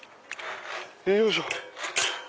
よいしょ。